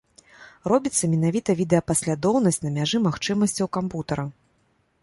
Робіцца менавіта відэапаслядоўнасць на мяжы магчымасцяў кампутара.